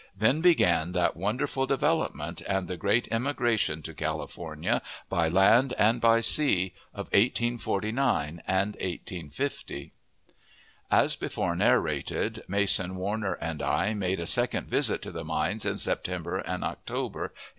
Then began that wonderful development, and the great emigration to California, by land and by sea, of 1849 and 1850. As before narrated, Mason, Warner, and I, made a second visit to the mines in September and October, 1848.